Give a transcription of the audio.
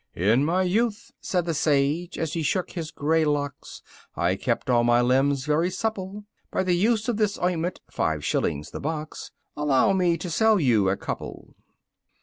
4. "In my youth," said the sage, as he shook his gray locks, "I kept all my limbs very supple, By the use of this ointment, five shillings the box Allow me to sell you a couple."